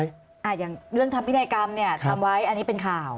อย่างเรื่องทำพินัยกรรมเนี่ยทำไว้อันนี้เป็นข่าว